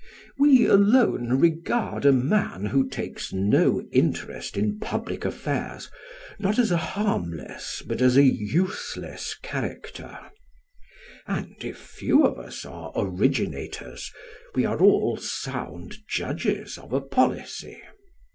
We alone regard a man who takes no interest in public affairs, not as a harmless, but as a useless character; and if few of us are originators, we are all sound judges of a policy.